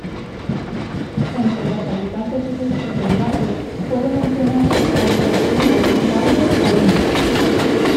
Entre los habitantes ilustres del barrio puede mencionarse al dramaturgo Lauro Olmo.